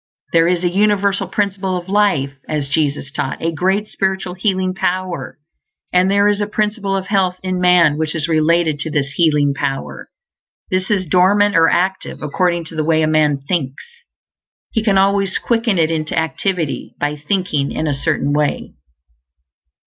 There is a Universal Principle of Life, as Jesus taught; a great spiritual Healing Power; and there is a Principle of Health in man which is related to this Healing Power. This is dormant or active, according to the way a man thinks. He can always quicken it into activity by thinking in a Certain Way.